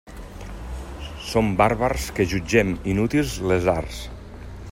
Som bàrbars que jutgem inútils les arts.